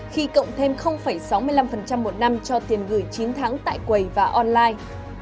khi cộng thêm sáu mươi năm một năm cho tiền gửi chín tháng tại quầy